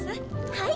はい。